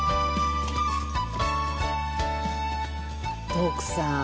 徳さん